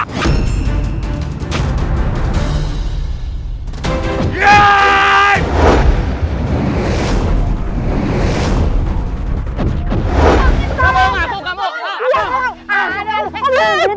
kamu mau gak kamu mau gak